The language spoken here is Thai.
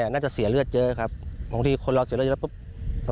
น่าจะเสียเลือดเจอครับตรงที่คนเราเสียเลือดเจอ